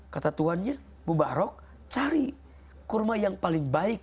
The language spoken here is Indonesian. kata tuhannya mubarok cari kurma yang paling baik